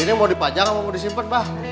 ini mau dipajang apa mau disimpan bah